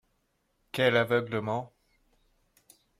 Quel aveuglement